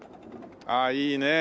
ああいいねえ